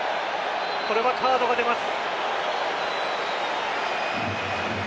これはカードが出ます。